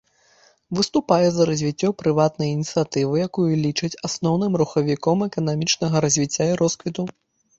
Выступае за развіццё прыватнай ініцыятывы, якую лічыць асноўным рухавіком эканамічнага развіцця і росквіту.